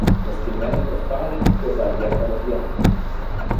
Με σκυμμένο κεφάλι και βαριά καρδιά